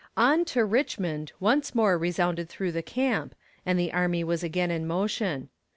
On to Richmond once more resounded through the camp, and the army was again in motion.